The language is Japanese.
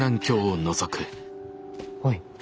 おい。